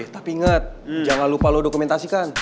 tapi ingat jangan lupa lo dokumentasikan